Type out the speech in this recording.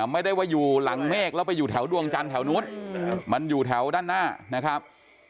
ไม่ได้ว่าอยู่หลังเมฆแล้วไปอยู่แถวดวงจันทร์แถวนู้นมันอยู่แถวด้านหน้านะครับ